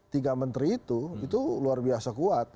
tiga menteri itu itu luar biasa kuat